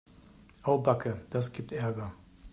Au backe, das gibt Ärger.